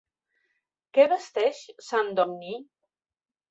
Què vesteix Sant Domní?